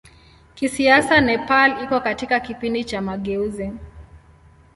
Kisiasa Nepal iko katika kipindi cha mageuzi.